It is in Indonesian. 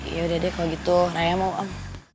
yaudah deh kalau gitu naya mau om